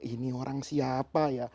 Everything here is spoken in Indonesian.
ini orang siapa ya